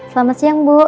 selamat siang bu